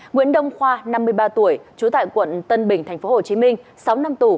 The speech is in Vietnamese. nguyễn đông khoa năm mươi ba tuổi trú tại quận tân bình tp hcm sáu năm tù